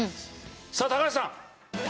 さあ高橋さん。